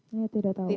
saya tidak tahu